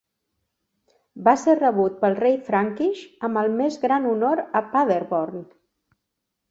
Va ser rebut pel rei Frankish amb el més gran honor a Paderborn.